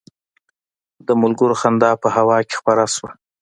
د ملګرو خندا په هوا کې خپره شوه.